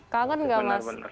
kangen gak mas